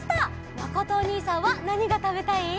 まことおにいさんはなにがたべたい？